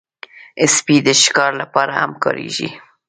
سپي د شکار لپاره هم کارېږي.